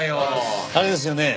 あれですよね？